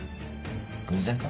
偶然か？